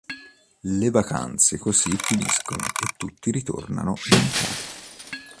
Le vacanze così finiscono e tutti ritornano in Italia.